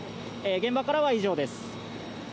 現場からは以上です。